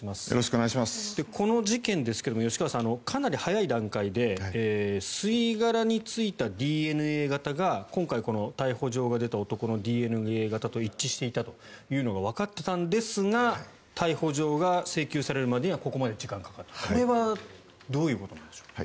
この事件ですが吉川さん、かなり早い段階で吸い殻についたＤＮＡ型が今回逮捕状が出た男のＤＮＡ型と一致していたというのがわかっていたんですが逮捕状が請求されるまでにはここまで時間がかかったこれはどういうことなんでしょうか？